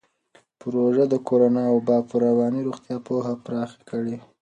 پروژه د کورونا وبا پر رواني روغتیا پوهه پراخه کړې.